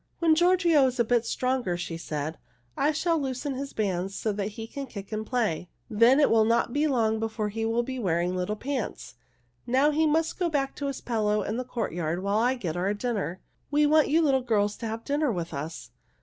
"When Giorgio is a bit stronger," she said, "I shall loosen his bands so that he can kick and play. Then it will not be long before he will be wearing little pants. Now he must go back to his pillow in the courtyard while I get our dinner. We want you little girls to have dinner with us."